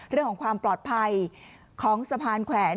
เรื่องของความปลอดภัยของสะพานแขวน